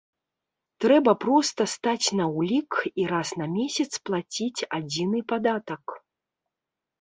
Трэба проста стаць на ўлік і раз на месяц плаціць адзіны падатак.